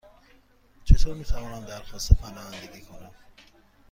چطور می توانم درخواست پناهندگی کنم؟